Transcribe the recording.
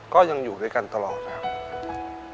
ก็ยังอยู่ด้วยกันตลอดนะครับ